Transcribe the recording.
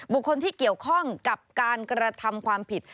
บุคคลที่เกี่ยวข้องกับการกระทำความผิด